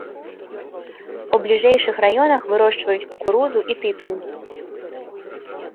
У бліжэйшых раёнах вырошчваюць кукурузу і тытунь.